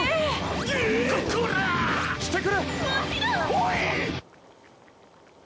おい！